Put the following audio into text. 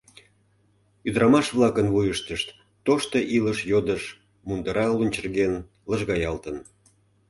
Ӱдырамаш-влакын вуйыштышт тошто илыш йодыш мундыра лунчырген, лыжгаялтын.